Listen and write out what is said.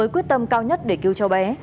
quyết tâm cao nhất để cứu cho bé